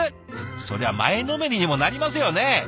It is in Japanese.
そりゃ前のめりにもなりますよね！